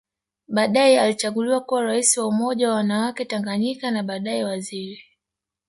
Baadae alichaguliwa kuwa Rais wa Umoja wa wanawake Tanganyika na baadae Waziri